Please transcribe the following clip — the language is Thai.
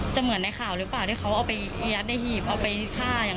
เหมือนในข่าวหรือเปล่าที่เขาเอาไปยัดในหีบเอาไปผ้าอย่าง